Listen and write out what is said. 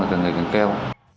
càng ngày càng kéo